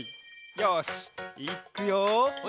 よしいくよ。